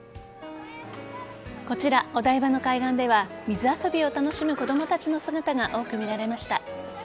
こちら、お台場の海岸では水遊びを楽しむ子供たちの姿が多く見られました。